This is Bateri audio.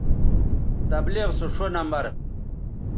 تبلیغ سو ݜو نمبر